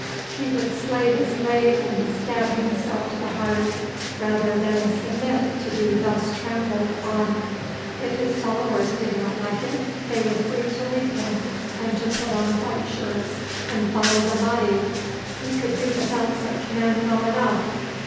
He would slay the slave and stab himself to the heart rather than submit to be thus trampled on. If his followers did not like it they were free to leave him and to put on white shirts and follow the Mahdi; he could do without such men well enough.